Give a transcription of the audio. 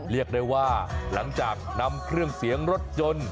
เรียกได้ว่าหลังจากนำเครื่องเสียงรถยนต์